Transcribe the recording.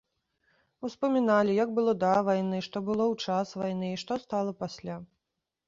Успаміналі, як было да вайны, што было ў час вайны і што стала пасля.